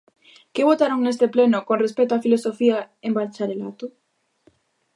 ¿Que votaron neste pleno con respecto á Filosofía en bacharelato?